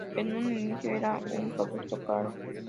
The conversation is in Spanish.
En un inicio, eran un producto caro.